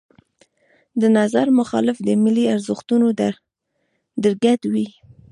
د نظر مخالف د ملي ارزښتونو درګډ وي.